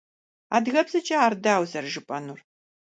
Адыгэбзэкӏэ ар дауэ зэрыжыпӏэнур?